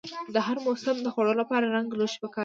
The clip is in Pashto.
د هر موسم د خوړو لپاره رنګه لوښي پکار دي.